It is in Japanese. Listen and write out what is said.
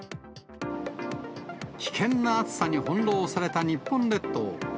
危険な暑さに翻弄された日本列島。